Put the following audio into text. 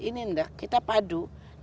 ini ndak kita padu